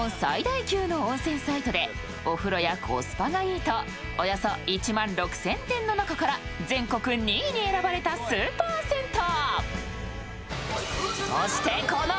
お風呂やコスパがいいとおよそ１万６０００店の中から全国２位に選ばれたスーパー銭湯。